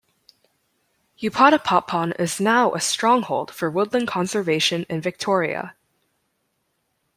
Upotipotpon is now a stronghold for woodland conservation in Victoria.